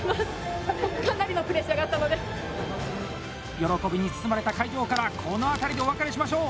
喜びに包まれた会場からこの辺りで、お別れしましょう。